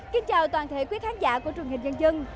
kính chào toàn thể quý khán giả của trường hình dân dân